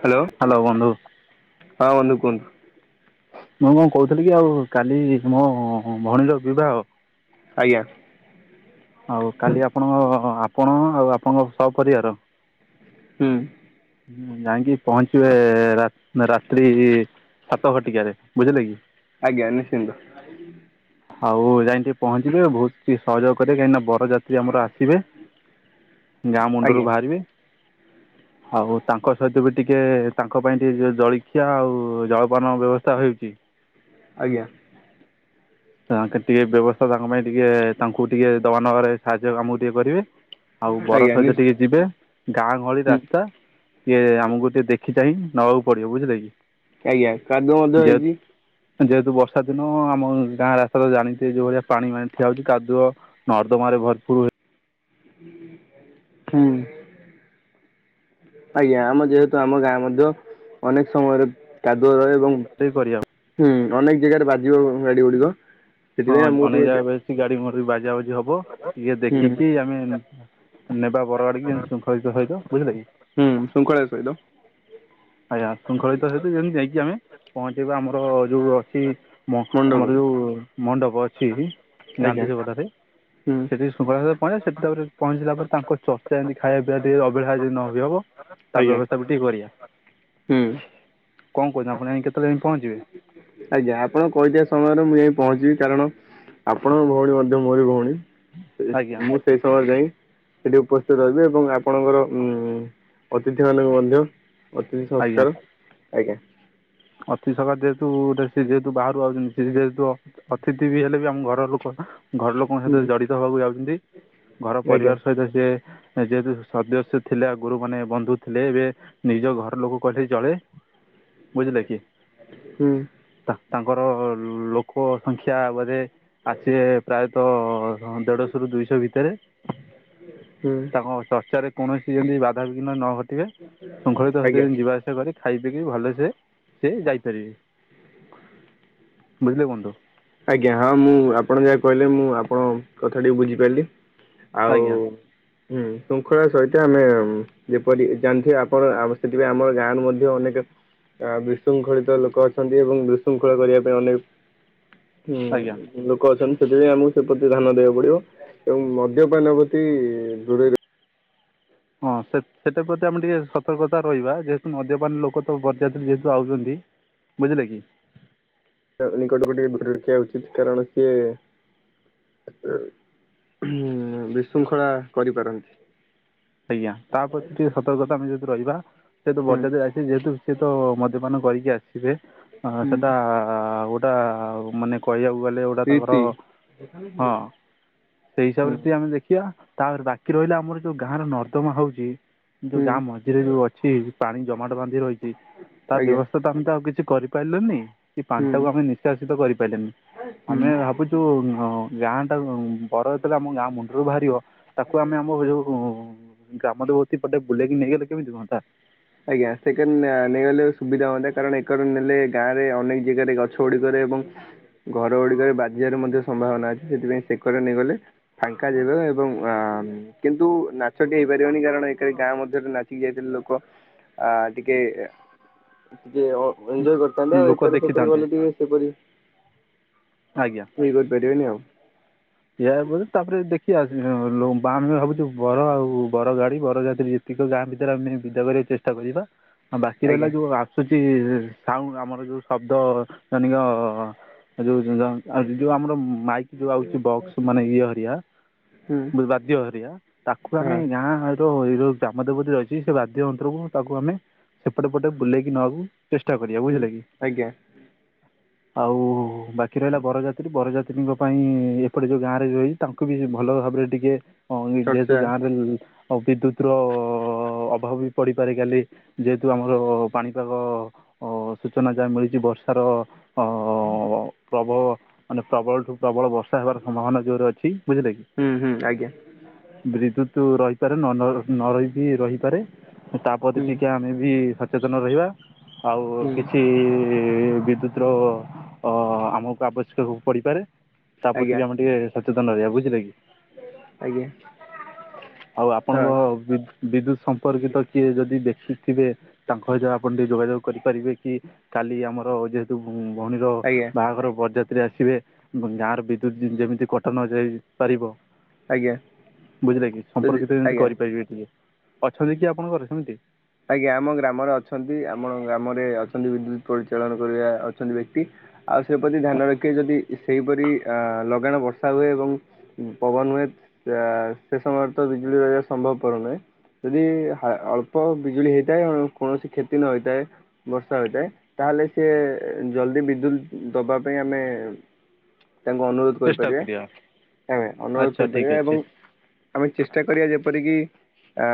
Hello hello ବନ୍ଧୁ ହଁ ବନ୍ଧୁ କୁହନ୍ତୁ? ମୁଁ କଣ କହୁଥିଲି କି ଆଉ କାଲି ମୋ ଭଉଣୀର ବିବାହ ଆଜ୍ଞା। ଆଉ କାଲି ଆପଣଙ୍କ ଆପଣ ଆଉ ଆପଣଙ୍କ ସ ପରରିବାର ହୁଁ। ଯାଇଁକି ପହଞ୍ଚିବେ ରାତି ସାତ ସାତ ଘଟିକାରେ ବୁଝିଲେ କି? ଆଜ୍ଞା ନିଶ୍ଚିନ୍ତ। ଆଉ ଯାଇଁ ଟିକେ ପହଞ୍ଚିବେ ବୋହୁତ ଟିକେ ସହଯୋଗ କରିବେ କାହିକି ନା ବରଯାତ୍ରୀ ସେ ଆମର ଆସିବେ ଗାଁ ମୁଣ୍ଡରୁ ଆଜ୍ଞା ବାହାରିବେ। ଆଉ ତାଙ୍କ ସହିତ ବି ଟିକେ ତାଙ୍କ ପାଇଁ ଟିକେ ଯ ଜଳଖିଆ ଆଉ ଜଳପାନର ବ୍ୟବସ୍ଥା ହେଉଛି। ଆଜ୍ଞା। ସେମାନଙ୍କର ଟିକେ ବ୍ୟବସ୍ଥା ତାଙ୍କ ପାଇଁ ଟିକେ ତାଙ୍କୁ ଟିକିେ ଦବା ନେବାରେ ସାହାଯ୍ୟ ଆମକୁ ଟିକେ କରିବେ। ଆଉ ବର ଆଜ୍ଞା ନି ସହିତ ଟିକେ ଯିବେ ଗାଁ ଗହଳି ହୁଁ ରାସ୍ତା ଟିକିଏ ଆମକୁ ଟିକିଏ ଦେଖି ଚାହିଁ ନବାକୁ ପଡିବ। ବୁଝିଲେ କି? ଆଜ୍ଞା। କାଦୁଅ ମଧ୍ୟ ଯେହେତୁ ହେଇଚି। ଯେହେତୁ ବର୍ଷା ଦିନ ଆମ ଗାଁ ରାସ୍ତାା ଜାଣିଥିବେ ଯୋଉ ଭଳିଆ ପାଣିମାଣି ଯାଉଚି କାଦୁଅ ନର୍ଦମାରେ ଭରପୁର୍। ହୁଁ। ଆଜ୍ଞା ଆମ ଯେହେତୁ ଆମ ଗାଁ ମଧ୍ୟ ଅନେକ ସମୟରେ କାଦୁଅ ରହେ ଏବଂ ସେଇ ପରିଅ। ହୁଁ ଅନେକ ଜେଗାରେ ବାଜିବ ଗାଡି ଗୁଡିକ ସେଥିପାଇଁ ଆମକୁ ଟିକିଏ ସେଗାଡି ମୋରବି ବାଜା ବାଜୁ ଇଏହବ ଟିକିଏ ହୁଁ ଦେଖିକି ଆମେ ନେବା ବର ଗାଡିକି ଶୃଙ୍ଖଳିତ ସହିତ। ବୁଝିଲ କି? ହୁଁ ଶୃଙ୍ଖଳିତ ସହିତ। ଆଜ୍ଞା ଶୃଙ୍ଖଳିତ ସହିତ ଯେମିତି ଯାଇକି ଆମେ ପହଞ୍ଚିବା ଆମର ଯୋଉ ଅଛି ମଣ୍ଡପରେ ମଆମର ଯୋଉ ମଣ୍ଡପ ଅଛି। ଆଜ୍ଞା ଗାନ୍ଧୀ ଛକଟାରେ। ହୁଁ। ସେଠି ଶୁଭାସକାଳରେ ପହଞ୍ଚିବା। ସେଠି ତାପରେ ପହଞ୍ଚିଲା ପରେ ତାଙ୍କଚର୍ଚ୍ଚାଯେମିତି ଖାଇବାପିଇବାରେ ଟିକିଏ ଅବହଳା ଯଦି ନ ହୁଏ ହବ। ତାପରେ ଆଜ୍ଞା ବ୍ୟବସ୍ଥା। ବି ଠିକ୍ କରିବା। ହୁଁ। କଣ କହୁଚନ୍ତି? ଆପଣ ଯାଇଁକେତେବେଳେ ପହଞ୍ଚିବେ? ଆଜ୍ଞା ଆପଣ କହିଥିବା ସମୟରେ ମୁଁ ଯାଇ ପହଞ୍ଚିବି। କାରଣ ଆପଣଙ୍କ ଭଉଣୀ ମଧ୍ୟ ମୋର ଭଉଣୀ। ଆଜ୍ଞା ସେ ମୁଁ ସେଇ ସମୟ ଯାଇ ସେଠି ଉପସ୍ଥିତ ରହିବେ। ଏବଂ ଆପଣଙ୍କର ଅତିଥିମାନଙ୍କୁ ମଧ୍ୟ ଅତିଥି ସତ୍କାର ଆଜ୍ଞା। ଅତିଶ ସକା ଯେହେତୁସେ ଯେହେତୁ ବାହାରୁ ଆଉଚନ୍ତି ଯେହେତୁ ଅତିଥି ବି ହେଲେ ବି ଆମ ଘର ଲୋକ ନାଁ। ଘର ଲୋକ ହୁଁ ମୋସାଥିରେ ଜଡିତ ହବାକୁ ଯାଉଚନ୍ତି। ଘର ଆଜ୍ଞା ପରିବାର ସହିତ ସିଏ ଯେହେତୁ ସଦସ୍ୟ ଥିଲେ ଆଗୁରୁ ମାନେ ବନ୍ଧୁ ଥିଲେ ଏବେ ନିଜ ଘର ଲୋକ କହିଲେ ଚଳେ। ବୁଝିଲେ କି? ହୁଁ ତାଙ୍କର ଲୋକ ସଂଖ୍ୟା ବୋଧେ ଆସେ ପ୍ରାୟତଃ ହଁ ଦେଢଶହ ରୁ ଦୁଇଶହ ଭିତରେ। ହୁଁ ତାଙ୍କ ଚର୍ଚ୍ଚାରେ କୌଣସି ଯିମିତି ବାଧାବିଘ୍ନ ନ ଘଟିବେ। ଶୃଙ୍ଖଳିତ ଆଜ୍ଞା। ସେତ ଯିବା ଆସିବା କରିବେ। ଖାଇ ପିଇକି ଭଲସେ ସେ ଯାଇପାରିବେ। ବୁଝିଲେ ବନ୍ଧୁ? ଆଜ୍ଞା ହଁ ମୁଁ ଆପଣ ଯାହା କହିଲେ ମୁଁ ଆପଣଙ୍କ କଥା ଟିକି ବୁଝିପାରିଲି। ଆଉ ଆଜ୍ଞା ହୁଁ ଶୃଙ୍ଖଳା ସହିତ ଆମେ ଯେପରି ଜାଣିଥିବେ ଆପଣ ସେଥିପାଇଁ ଆମର ଗାଁ ରୁ ମଧ୍ୟ ଅନେକେ ଆ ବିଶୃଙ୍ଖଳିତ ଲୋକ ଅଛନ୍ତି ଏବଂ ବିଶୃଙ୍ଖଳା କରିବା ପାଇଁ ଅନେକ୍ ଆଜ୍ଞା ଉ ଲୋକ ଅଛନ୍ତି ସେଥିପାଇଁ ଆମକୁ ସେ ପ୍ରତି ଧ୍ୟାନ ଦବାକୁ ପଡିବ ଏବଂ ମଦ୍ୟପାନ ହଉଚି ଦୂରେରେ ହଁ ସେ ସେଟା ପ୍ରତି ଆମେ ଟିକେ ସତର୍କତା ରହିବା ଯେହେତୁ ମଦ୍ୟପାନ ଲୋକ ତ ବରଯାତ୍ରୀ ଯେହେତୁ ଆଉଚନ୍ତି ବୁଝିଲେ କି? ତା ନିକଟକୁ ଟିକେ ଫଟୋ ରଖିବା ଉଚିତ କାରଣ ସିଏ ଉ ହୁଁ ବିଶୃଙ୍ଖଳା କରିପାରନ୍ତି। ଆଜ୍ଞା ତା ପ୍ରତି ଟିକେ ସତର୍କତା ଆମେ ଯଦି ରହିବା ଯେହେତୁ ହୁଁ ବରଯାତ୍ରୀ ଆ ସେ ଯେହେତୁ ସିଏତ ମଦ୍ୟପାନ କରିକି ଆସିବେ ହଁ ହୁଁ ସେଟା ଗୋଟା ମାନେ କହିବାକୁ ଗଲେ ଏଗୁଡା ତାଙ୍କର ଦେଖାନ [unintelligible] ହଁ ସେଇ ହିସାବରେ ଟିକେ ଆମେ ଦେଖିବା ତାପରେ ବାକି ରହିଲା ଆମର ଯୋଉ ଗାଁ ର ନର୍ଦମା ହଉଚି ଯୋଉ ହୁଁ ଗାଁ ମଝିରେ ଯୋଉ ଅଛି ପାଣି ଜମାଟ ବାନ୍ଧି ରହିଚି ତା ଆଜ୍ଞା ବ୍ୟବସ୍ଥା ତ ଆମେ ତ ଆଉ କିଛି କରି ପାଇିଲନି କି ହୁଁ ପାଣିଟାକୁ ଆମେ ନିଷ୍କାସିତ କରିପାଇଲେନି ଆମେ ହୁଁ। ଭାବୁଚୁ ଗାଁ ଟା [unintelligible] ଆମ ଗାଁ ମୁଣ୍ଡରୁ ବାହାରିବ ତାକୁ ଆମେ ଆମ ଯୋଉ ଗ୍ରାମ ଦେବତି ପଟେ ବୁଲେଇକି ନେଇଗଲେ କେମିତି ହୁଅନ୍ତା। ଆଜ୍ଞା ସେକେନ୍ ନେଇଗଲେ ସୁବିଧା ହୁଅନ୍ତା କାରଣ ଏ କରେ ନେଲେ ଗାଁ ରେ ଅନେକ ଯିଏ ଜାରେ ଗଛ ଗୁଡିକରେ ଏବଂ ଘର ଗୁଡିକରେ ବାଜିବାର ମଧ୍ୟ ସମ୍ଭାବନା ଅଛି ସେଥିପାଇଁ ସେକରେ ନେଇଗଲେ ଫାଙ୍କା ଯିବେ ଏବଂ ଆଁନ୍ କିନ୍ତୁ ନାଚଟି ହେଇପାରିବନି କାରଣ ଏକ ଗାଁ ମଧ୍ୟରେ ନାଚିକି ଯାଇଥିଲେ ଲୋକ ଆ ଟିକେ ଟିକେ ଅ ଏନଜୟ ଲୋକ କର [unintelligible] ଦେଖିଥାନ୍ତେ ଗଲେ ଟିକେ ସେପରି ଆଜ୍ଞା। କେହି କରିପାରିବେନି ଆଉ। ଇଆ ପରେ ତାପରେ ଦେଖି ଆସ [unintelligible] ଭାବୁଛୁ ବର ଆଉ ବର ଗାଡି ବର ଯାତ୍ରୀ ଇଏ କିନ୍ତୁ ଗାଁ ଭିତରେ ଆମେ ବିଦା କରିବାକୁ ଚେଷ୍ଟା କରିବା ଆଉ ବାକି ରହିଲା ଆଜ୍ଞା ଯୋଉ ଆସୁଚି ସାଉଣ୍ଡ ଆମର ଯୋଉ ଶବ୍ଦ ଜନିକ ଉ ଯୋଉ ଜୋ ଯୋଉ ଆମର ମାଇକି ଯୋଉ ଆଉଛି ବକ୍ସ ମାନେ ଇଏ ହରିଆ ହୁଁ ବାଦ୍ୟ ହେରିଆ ତାକୁ ହଁ ଆମେ ଗାଁ ର ଜଉ ଗ୍ରାମ ଦେବତି ରହିଛି ସେ ବାଦ୍ୟନ୍ତ୍ରକୁ ତାକୁ ଆମେ ସେପଟେ ପଟେ ବୁଲେଇକି ନବାକୁ ଚେଷ୍ଟା କରିବା ହୁଁ ବୁଝିଲେ କି ଆଜ୍ଞା ଆଉ ବାକି ରହିଲା ବରଯାତ୍ରୀ ବରଯାତ୍ରୀଙ୍କ ପାଇଁ ଇଏ ସେପଟେ ଯୋଉ ଗାଁରେ ରହି ତାଙ୍କୁ ବି ଭଲ ଭାବରେ ଟିକେ ଅ ଚର୍ଚ୍ଚା ଯେହେତୁ ଗାଁ ରେ ଆଉ ବିଦ୍ୟୁତର ଅଭାବ ବି ପଡ଼ିପାରେ କାଲି ଯେହେତୁ ଆମର ପାଣିପାଗ ଅ ସୂଚନା ଯାହା ମିଳିଚି ବର୍ଷାର ଅ ପ୍ରବ ମାନେ ପ୍ରବଳଠୁ ପ୍ରବଳ ବର୍ଷା ହେବାର ସମ୍ଭାବନା ଯୋଉରେ ଅଛି ବୁଝିଲେ କି ହୁଁ ହୁଁ ଆଜ୍ଞା ବିଦ୍ୟୁତ ରହିପାରେ ନ ନ ନ ରହିକି ରହିପାରେ ତାପରେ ହୁଁ ଟିକେ ଆମେ ବି ସଚେତନ ରହିବା ଆଉ ହୁଁ କିଛି ବିଦ୍ୟୁତ ର ଅ ଆମକୁ ଆବଶ୍ୟକ ପଡିପାରେ। ଆମେ ଆଜ୍ଞା ଟିକେ ସଚେତନ ରହିବା ବୁଝିଲେ କି। ଆଜ୍ଞା ଆଉ ହଁ ଆପଣଙ୍କ ବି ବିଦ୍ୟୁତ ସମ୍ପର୍କିତ କିଏ ଯଦି ବ୍ୟକ୍ତି ଥିବେ ତାଙ୍କ ଭିତରେ ଆପଣ ଟିକେ ଯୋଗାଯୋଗ କରିପାରିବେ କି? କାଲି ଆମର ଯେହେତୁ ଭଉଣୀର ଆଜ୍ଞା ବାହାଘର ବରଯାତ୍ରୀ ଆସିବେ ଗାଁ ର ବି ଜୁ ଯେମିତି କଟା ନ ଯାଇ ପାରିବ। ଆଜ୍ଞା ବୁଝିଲେ କି ଯଦି ସମ୍ପର୍କିତ ଯେମିତି ଆଜ୍ଞା କରିପାରିବେ ଟିକେ ଅଛନ୍ତି କି ଆପଣଙ୍କର ସେମିତି? ଆଜ୍ଞା ଆମ ଗ୍ରାମରେ ଅଛନ୍ତି ଆମ ଗ୍ରାମରେ ଅଛନ୍ତି ବିଦ୍ୟୁତ ପରିଚାଳନ କରିବା ଅଛନ୍ତି ବ୍ୟକ୍ତି। ଆଉ ସେ ପ୍ରତି ଧ୍ୟାନ ରଖେ ଯଦି ସେଇପରି ଆଁ ଲଗାଣ ବର୍ଷା ହୁଏ ଏବଂ ପବନ ହୁଏ ଆ ସେ ସମୟରେ ତ ବିଜୁଳି ରହିବା ସମ୍ଭବ ପର ନୁହେଁ। ଯଦି ହା ଅଳ୍ପ ବିଜୁଳି ହେଇଥାଏ କୌଣସି କ୍ଷତି ନ ହେଇଥାଏ। ବର୍ଷା ହୋଇଥାଏ ତାହେଲେ ସିଏ ଜଲ୍ଦି ବିଦ୍ୟୁତ୍ ଦବା ପାଇଁ ଆମେ ତାଙ୍କୁ ଅନୁରୋଧ ଚେଷ୍ଟା କରିପାରିବେ କରିବା ଆମେ ଅନୁରୋଧ ଆଚ୍ଛା ଠିକ୍ କରିପାରିବା ଏବଂ ଅଛି ଆମେ ଚେଷ୍ଟା କରିବା ଯେପରିକି ଆଁ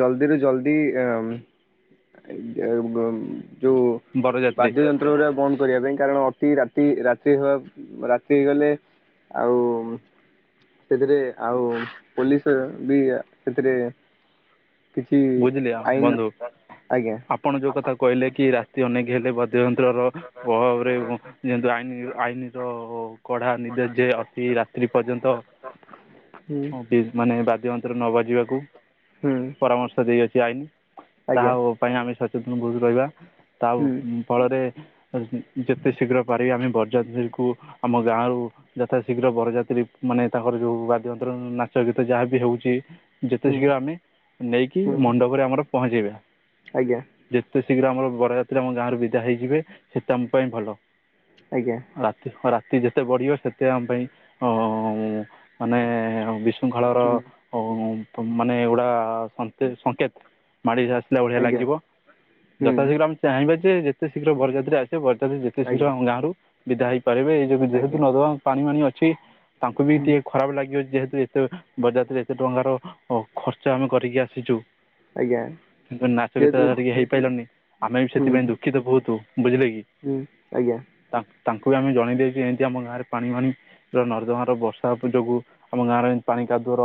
ଜଲଦିରୁୁ ଜଲଦି [unintelligible] ଯଉ ବରଯାତ୍ରୀ ବାଦ୍ୟ ଯ ଗୋରା ବନ୍ଦ କରିବା ପାଇଁ କାରଣ ଅତି ରାତି ରାତି ହ ରାତି ହେଇଗଲେ। ଆଉ ସେଥିରେ ଆଉ ପୋଲିସ ବି ସେଥିରେ କିଛି ବୁଝିଲି ଆ ଆଇନ ବନ୍ଧୁ ଆଜ୍ଞା ଆପଣ ଯୋଉ କଥା କହିଲେ କି ରାତି ଅନେକ ହେଲେ ନ୍ତ୍ରର ପ୍ରଭାବରେ ବ ଯେହେତୁ ଆଇନ ଆଇନର ହ କଢା ନିର୍ଦ୍ଦେଶ ଯେ ଅତି ରାତ୍ରି ପର୍ଯ୍ୟନ୍ତ ଅ ହୁଁ ମାନେ ବାଦ୍ୟ ଯନ୍ତ୍ର ନ ବାଜିବାକୁ ହୁଁ। ପରାମର୍ଶ ଦେଇଅଛି ଆଇନ ତାହା ଆଜ୍ଞା ପାଇଁ ଆମେ ସଚେତନ ବୁତ ରହିବା ତା ଉ ହୁଁ ଫଳରେ ଯେ ଯେତେ ଶୀଘ୍ର ପାରିବା ଆମେ [unintelligible] ଆମ ଗାଁରୁ ଯଥା ଶୀଘ୍ର ବରଯାତ୍ରୀ ମାନେ ତାଙ୍କର ଯୋଉ ବାଦ୍ୟଯନ୍ତ୍ର ନାଚ ଗୀତ ଯାହାବି ହଉଛି। ଯେତେ ହୁଁ ଶୀଘ୍ର ଆମେ ନେଇକି ହୁଁ ମଣ୍ଡପରେ ଆମର ପହଞ୍ଚେଇବା। ଆଜ୍ଞା। ଯେତେ ଶୀଘ୍ର ଆମର ବରଯାତ୍ରୀ ଆମ ଗାଁ ରୁ ବିଦା ହେଇଯିବେ ସେତେ ଆମ ପାଇଁ ଭଲ। ଆଜ୍ଞା। ରାତି ଖ ରାତି ଯେତେ ବଢିବ ସେତେ ଆମ ପାଇଁ ଅ ମାନେ ବି ବିଶୁଙ୍ଖଳାର ହୁଁ ଅ ମାନେ ଏଗୁଡା ସଂକ ସଙ୍କେତ ମାଡ଼ିଯା ଆସିଲା ଭଳିଆ ଆଜ୍ଞା ଲାଗିବ ହୁଁ ଯଥାଶୀଘ୍ର ଆମେ ଚାହିଁବା ଯେ ଯେତେ ଶୀଘ୍ର ବରଯାତ୍ରୀ ଆସି ସେ ବରଯାତ୍ରୀ ଯେତେ ଶୀଘ୍ର ଆଜ୍ଞା ଆମ ଗାଁରୁ ବିଦା ହେଇପାରିବେ ଏଇ ଯଁ ଯେହେତୁ ଆଜ୍ଞା ନଦୀ ପାଣିଫାଣି ଅଛି। ତାଙ୍କୁ ବି ହୁଁ ଟିକେ ଖରାପ ଲାଗିବ ଯେହେତୁ ଏତେ ବରଯାତ୍ରୀ ଏତେ ଟଙ୍କାର ଖର୍ଚ୍ଚ ଆମେ କରିକି ଆସ ଆସିଛୁ ଆଜ୍ଞା କିନ୍ତୁ ନାଚ ଗୀତ ଯେହେତୁ ଟିକେ ହେଇପାରିଲନି ଆମେ ବି ସେଥିପାଇଁ ହୁଁ ଦୁଃଖିତ ବହୁତୁ ବୁଝିଲେ କି? ହୁଁ ଆଜ୍ଞା। ତା ତାଙ୍କୁ ବି ଆମେ ଜଣେଇ ଦେଇଛୁ ଏମିତି ଆମ ଗାଁରେ ପାଣି ଫାଣି ନର୍ଦମାଁ ର ବର୍ଷା ଯୋଗୁ ଆମ ଗାଁରେ ପାଣି କାଦୁଅର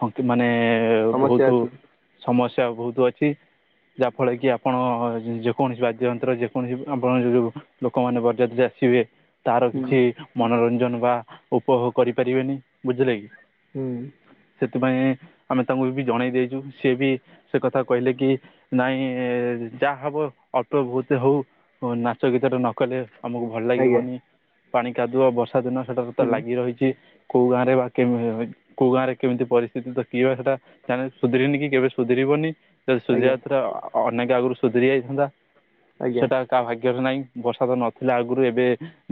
ସଙ୍କେ କି ମାନେ ବହୁତ ସମସ୍ୟା ଅଛି ସମସ୍ୟା ବହୁତ ଅଛି ଯାହା ଫଳ କି ଆପଣ ଯୋଉ କୌଣସି ବାଦ୍ୟଯନ୍ତ୍ର ଯେକୌଣସି ଆପଣ ଯୋଉ ଲୋକମାନେ ବରଯାତ୍ରୀ ଆସିବେ ତାର ହୁଁ କିଛି ମନୋରଞ୍ଜନ ବା ଉପଭୋଗ କରିପାରିବେନି ବୁଝିଲେ କି? ହୁଁ। ସେଥିପାଇଁ ଆମେ ତାଙ୍କୁ ବି ଜଣେଇ ଦେଇଛୁ ସିଏ ବି ସେ କଥା କହିଲେ କି ନାଇଁ ଯାହା ହବ ଅଳ୍ପ ବହୁତେ ହଉ ଓ ନାଚ ଗୀତ ଟା ନ କଲେ ଆମକୁ ଭଲ ଆଜ୍ଞା ଲାଗିବନି ପାଣି କାଦୁଅ ବର୍ଷା ଦିନ ସେଟା ତ ହୁଁ ଲାଗି ରହିଛି। କୋଉ ଗାଁ ରେ ବା କେମିତି କୋଉ ଗାଁ ରେ କେମିତି ପରିସ୍ଥିତି ତ କିିବା ସେଟା। [unintelligible] ସୁଧୁରନି କି କେବେ ସୁଧରିବନି ଯଦି ଆଜ୍ଞା ସୁଯାତ୍ର ଅନେକ ଆଗରୁ ସୁଧରି ଯାଇଥାନ୍ତା ଆଜ୍ଞା ସେଟା କାହା ଭାଗ୍ୟରେ ନାଇଁ ବର୍ଷା ତ ନଥିଲା ଆଗରୁ ଏବେ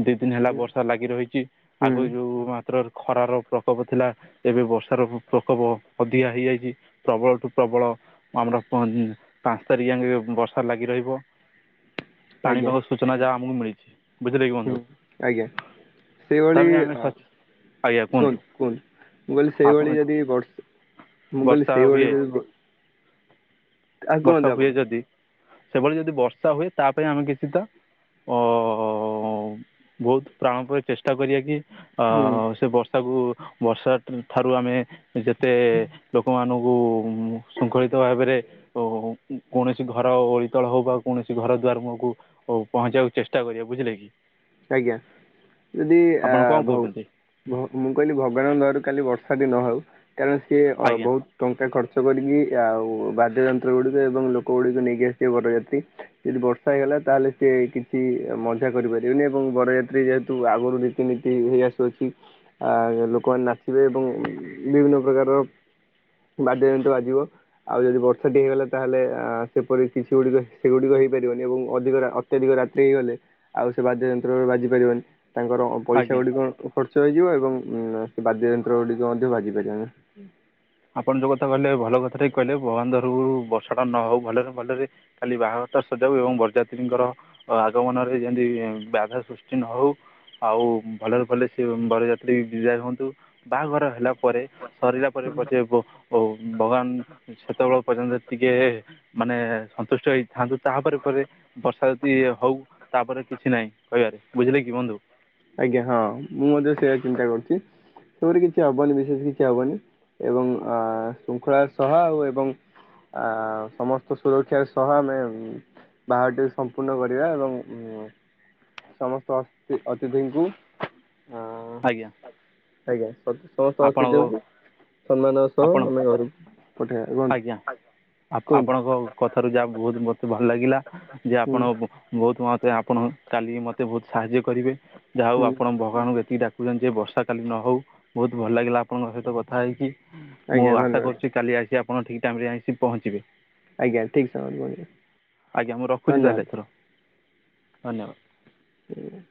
ଦି ଦିନ ହେଲା ହୁଁ ବର୍ଷା ଲାଗି ରହିଛି ହୁଁ ଆଗ ଯୋଉ ମାତ୍ର ଖରାର ପ୍ରକୋପ ଥିଲା ଏବେ ବର୍ଷାର ପ୍ରକୋପ ଅଧିକା ହେଇଯାଇଛି ପ୍ରବଳଠୁ ପ୍ରବଳ ଆମର ପା ପାଞ୍ଚ ତାରିଖ ଯେ ବର୍ଷା ଲାଗି ରହିବ। ଆଜ୍ଞା ପାଣିପାଗ ସୂଚନା ଯାହା ଆମକୁ ମିଳିଛି ବୁଝିଲେ କି ହୁଁ ବନ୍ଧୁ। ଆଜ୍ଞା ସେଇଭଳି ତା'ପାଇଁ ଆମେ ଅ କୁହନ୍ତୁ କୁହନ୍ତୁ ମୁଁ କହିଲି ଆପଣ ସେଇଭଳି ଯଦି ବଢ଼ି ମୁଁ କହିଲି ବର୍ଷା ହୁଏ ସେଇଭଳି ଯ ବର୍ଷା ଆପଣ ହୁଏ ଯଦି ସେଭଳି ଯଦି ବର୍ଷା ହୁଏ ତା ପାଇଁ ଆମେ କିଛି ତ ଅ ବହୁତ ପ୍ରାଣ ପରେ ଚେଷ୍ଟା କରିବା କି? ଅ ହୁଁ ସେ ବର୍ଷାକୁ ବର୍ଷା ଠାରୁ ଆମେ ଯେତେ ଲୋକମାନଙ୍କୁ ଶୃଙ୍ଖଳିତ ଭାବରେ ଓ କୌଣସି ଘର ଓଳିତଳ ହଉ ବା କୌଣସି ଘର ଦୁଆର ମୁହଁକୁ ପହଞ୍ଚିବାକୁ ଚେଷ୍ଟା କରିବା ବୁଝିଲେ କି। ଆଜ୍ଞା ଯଦି ଆ ଆପଣ କ'ଣ ଭଉ କହୁଛନ୍ତି ମୁଁ କହିଲି ଭଗବାନ ଙ୍କ ଦୟା ରୁ କାଲି ବର୍ଷା ଟି ନ ହଉ କାରଣ ସିଏ ଅ ଆଜ୍ଞା ବହୁତ ଟଙ୍କା ଖର୍ଚ୍ଚ କରିକି ଆଉ ବାଦ୍ୟ ଯନ୍ତ୍ର ଗୁଡିକ ଏବଂ ଲୋକ ଗୁଡିକୁ ନେଇକି ଆସିଥିବେ ବରଯାତ୍ରୀ। ଯଦି ବର୍ଷା ହେଇଗଲା ତାହେଲେ ସି କିଛି ମଜା କରିପାର ନି ଏବଂ ବରଯାତ୍ରୀ ଯେହେତୁ ଆଗରୁ ରୀତିନୀତି ହେଇ ଆସୁଅଛି। ଆ ଲୋକମାନେ ନାଚିବେ ଏବଂ ବିଭିନ୍ନ ପ୍ରକାରର ବାଦ୍ୟ ଯନ୍ତ୍ର ବାଜିିବ। ଆଉ ଯଦି ବର୍ଷାଟି ହେଇଗଲା ତାହେଲେ ଆ ସେପରି କିଛି ଗୁଡିକ ସେଗୁଡିକ ହେଇପାରିବନି ଏବଂ ଅଧିକ ଅତ୍ୟଧିକ ରାତ୍ରି ହୋଇଗଲେ ଆଉ ସେ ବାଦ୍ୟ ଯନ୍ତ୍ରରେ ବାଜିପାରିବନି ତାଙ୍କର ପଇସା ଆଜ୍ଞା ଗୁଡ଼ିକ ଖର୍ଚ୍ଚ ହେଇଯିବ ଏବଂ ସେ ବାଦ୍ୟ ଯନ୍ତ୍ର ଗୁଡିକ ମଧ୍ୟ ବାଜି ପାରିବ ନାହିଁ। ଆପଣ ଯୋଉ କଥା କହିଲେ ଭଲ କଥାଟା କହିଲେ ଭଗବାନ ଧରକୁ ବର୍ଷାଟା ନ ହଉ ଭଲରେ ଭଲରେ କାଲି ବାହାଘରଟା ସରିଜାଉ ଏବଂ ବରଯାତ୍ରୀଙ୍କର ଆଗମନରେ ଯେମିତି ବ୍ୟାଧା ସୃଷ୍ଟି ନ ହଉ। ଆଉ ଭଲରେ ଭଲ ସେ ବରଯାତ୍ରୀ ବିଦାୟ ହୁଅନ୍ତୁ ବାହାଘର ହେଲା ପରେ ସରିଲା ପରେ ପଛେ ଭଗବାନ ସେତେବେଳେ ପର୍ଯ୍ୟନ୍ତ ଟିକେ ମାନେ ସନ୍ତୁଷ୍ଟ ହେଇଥାନ୍ତୁ ତାପରେ ପରେ ବର୍ଷା ଯଦି ହଉ ତାପରେ କିଛି ନାହିଁ କହିବାରେ ବୁଝିଲେ କି ବନ୍ଧୁ। ଆଜ୍ଞା ହଁ ମୁଁ ମଧ୍ୟ ସେୟା ଚିନ୍ତା କରୁଛି। ସେପରି କିଛି ହବନି ବିଶେଷ କିଛି ହବନି ଏବଂ ଅ ଶୃଙ୍ଖଳା ସହ ଆଉ ଏବଂ ଆ ସମସ୍ତ ସୁରକ୍ଷାର ସହ ଆମେ ବାହାଘରଟି ସମ୍ପୂର୍ଣ୍ଣ କରିବା ଏବଂ ସମସ୍ତ ଅସ ଅତିଥିଙ୍କୁ ଅ ଆଜ୍ଞା। ଆଜ୍ଞା ସମସ୍ତ ଆପଣଙ୍କ ଅତିଥି ଙ୍କୁ ସମ୍ମାନର ଆପଣ ସହ ଆମେ ଘର ପଠେଇବା କୁହନ୍ତୁ ଆଜ୍ଞା କୁହନ୍ତୁ। ଆପଣଙ୍କ କଥାରୁ ଯାହା ବହୁତ ମତେ ଭଲ ଲାଗିଲା ଯେ ହୁଁ ଆପଣ ବହୁତ ମତେ ଆପଣ କାଲି ମତେ ବହୁତ ସାହାଯ୍ୟ କରିବେ ଯାହା ହଉ ହୁଁ ଆପଣ ଭଗବାନଙ୍କୁ ଏତିକି ଡାକୁଛନ୍ତି ଯେ ବର୍ଷା କାଲି ନହଉ। ବହୁତ ଭଲ ଲାଗିଲା ଆପଣଙ୍କ ସହିତ କଥା ହେଇକି ମୁଁ ଆଜ୍ଞା ଆଶା ଧନ୍ୟବାଦ କରୁଛି କାଲି ଆସି ଆପଣ ଠିକ୍ ଟାଇମ ରେ ଆସି ପହଞ୍ଚିବେ। ଆଜ୍ଞା ଠିକ୍ ସମୟ ରେ ପହଂଚି ଵି। ଆଜ୍ଞା ମୁଁ ରଖୁଛି ତା ହେଲେ ଏଥର ଧନ୍ୟବାଦ। ହୁଁ।